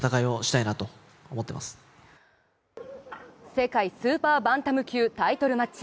世界スーパーバンタム級タイトルマッチ。